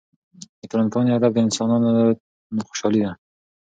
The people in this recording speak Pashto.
د ټولنپوهنې هدف د انسانانو خوشحالي ده.